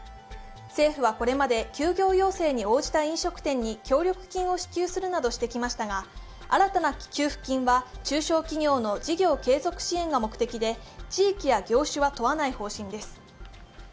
政府はこれまで休業要請に応じた飲食店に協力金を支給するなどしてきましたが、新たな給付金は、中小企業の事業継続支援が目的で地域や業種は問わない方針です。